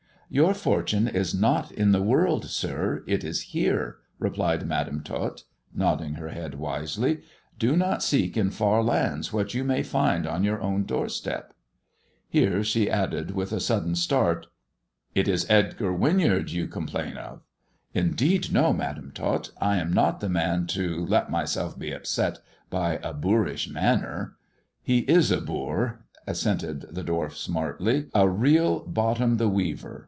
" Your fortune is not in the world, sir, it is here," replied Madam Tot, nodding her head wisely. " Do not seek in 128 THE dwarf's chamber far lands what you may find on your own doorstep ! Ha," she added, with a sudden start, " it is Edgar Winyard you complain of ?"" Indeed no, Madam Tot ; I am not the man to let myself be upset by a boorish manner." He is a boor," assented the dwarf smartly; "a real Bottom the Weaver.